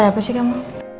cara apa sih kamu